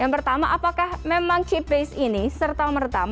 yang pertama apakah memang chip base yang pertama apakah memang chip base